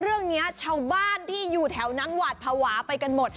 เรื่องนี้ชาวบ้านที่อยู่แถวนั้นหวาดภาวะไปกันหมด